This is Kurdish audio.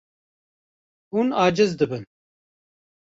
Hûn aciz dibin.